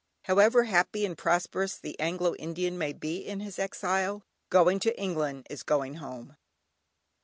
However happy and prosperous the Anglo Indian may be in his exile, going to England, is "going home."